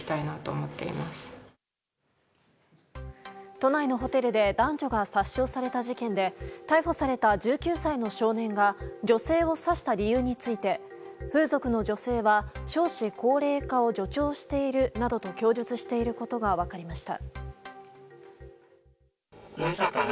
都内のホテルで男女が殺傷された事件で逮捕された１９歳の少年が女性を刺した理由について風俗の女性は少子高齢化を助長しているなどと供述していることが分かりました。